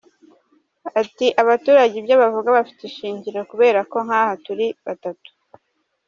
Ati “Abaturage ibyo bavuga bifite ishingiro kubera ko nk’aha turi batatu.